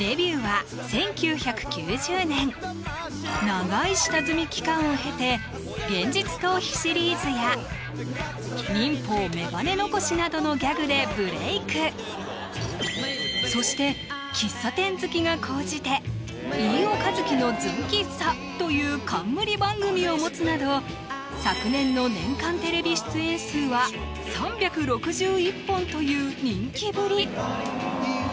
長い下積み期間を経て「現実逃避シリーズ」や「忍法メガネ残し」などのギャグでブレイクそして喫茶店好きが高じて「飯尾和樹のずん喫茶」という冠番組を持つなど昨年の年間テレビ出演数は３６１本という人気ぶり